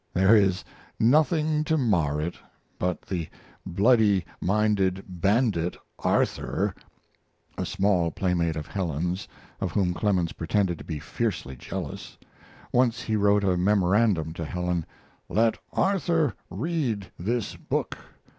There is nothing to mar it but the bloody minded bandit Arthur, [A small playmate of Helen's of whom Clemens pretended to be fiercely jealous. Once he wrote a memorandum to Helen: "Let Arthur read this book.